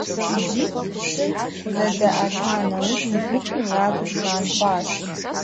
БжьитӀ-щы зэдаӀэта нэужь, гупым я гур жан хъуащ.